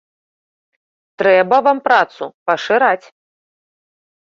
Трэба вам працу пашыраць!